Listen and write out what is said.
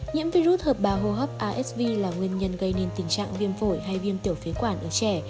nhiễm virus hợp bào hô hấp asv là nguyên nhân gây nên tình trạng viêm phổi hay viêm tiểu phế quản ở trẻ